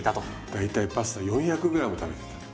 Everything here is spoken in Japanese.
大体パスタ４００ｇ食べてた。